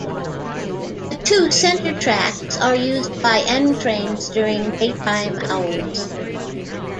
The two center tracks are used by N trains during daytime hours.